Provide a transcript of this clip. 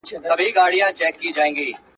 یوسف په خوب کي لټومه زلیخا ووینم.